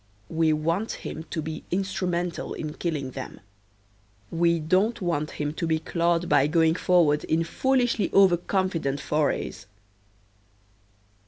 We want him to be instrumental in killing them. We don't want him to get clawed by going forward in foolishly overconfident forays.